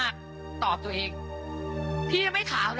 ขอบคุณครับ